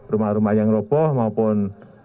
rumah rumah yang roboh maupun